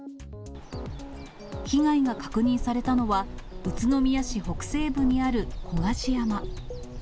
被害が確認されたのは、宇都宮市北西部にある古賀志山。